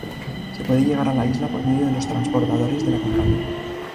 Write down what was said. Se puede llegar a la isla por medio de los transbordadores de la compañía.